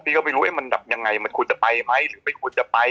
ก็ไม่รู้มันดับยังไงมันควรจะไปไหมหรือไม่ควรจะไป